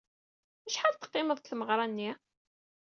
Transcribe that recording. Acḥal teqqimeḍ deg tmeɣra-nni?